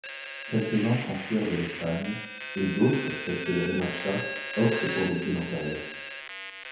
Quelques-uns s'enfuirent de l'Espagne et d'autres, tels que les Remacha opte pour l'exil intérieur.